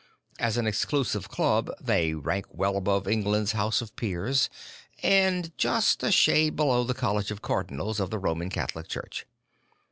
As an exclusive club, they rank well above England's House of Peers and just a shade below the College of Cardinals of the Roman Catholic Church.